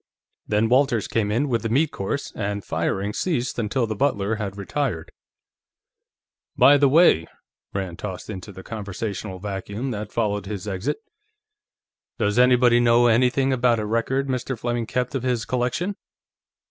Then Walters came in with the meat course, and firing ceased until the butler had retired. "By the way," Rand tossed into the conversational vacuum that followed his exit, "does anybody know anything about a record Mr. Fleming kept of his collection?"